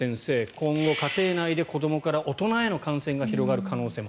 今後、家庭内で子どもから大人への感染が広がる可能性も。